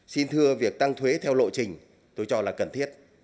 xin thưa việc tăng thuế theo lộ trình tôi cho là cần thiết